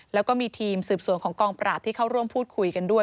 แล้วก็มีทีมสืบสวนของกองปราบที่เข้าร่วมพูดคุยกันด้วย